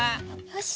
よし。